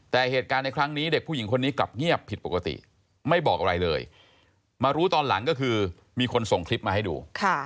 แต่เหตุการณ์ในครั้งนี้เด็กผู้หญิงคนนี้กลับเงียบผิดปกติไม่บอกอะไรเลยมารู้ตอนหลังก็คือมีคนส่งคลิปมาให้ดู